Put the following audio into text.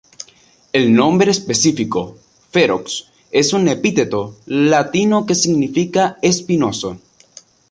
El nombre específico "ferox" es un epíteto latino que significa 'espinoso'.